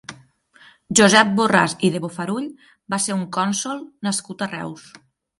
Josep Borràs i de Bofarull va ser un cònsol nascut a Reus.